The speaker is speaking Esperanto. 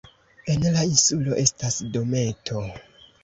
En la insulo estas dometo.